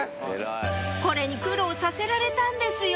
これに苦労させられたんですよ